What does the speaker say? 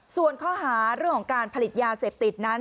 ส่วนข้อหาเรื่องของการผลิตยาเสพติดนั้น